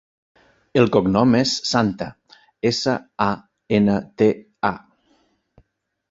El cognom és Santa: essa, a, ena, te, a.